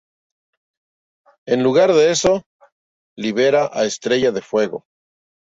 En lugar de eso, libera a Estrella de Fuego.